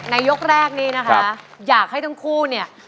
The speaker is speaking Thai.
ยกแรกนี้นะคะอยากให้ทั้งคู่เนี่ย